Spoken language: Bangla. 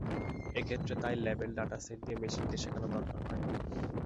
এক্ষেত্রে তাই লেবেল ডেটাসেট দিয়ে মেশিনকে শেখানোর দরকার হয় না।